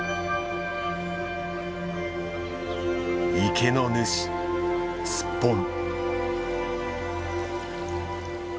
池の主スッポン。